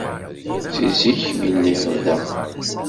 Si zik mi lliɣ da.